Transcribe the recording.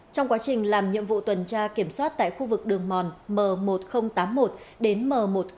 trong quá trình làm nhiệm vụ tuần tra kiểm soát tại khu vực đường mòn m một nghìn tám mươi một đến m một nghìn tám mươi hai